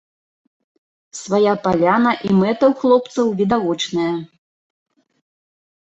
Свая паляна, і мэта ў хлопцаў відавочная.